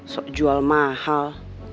sok jual mahal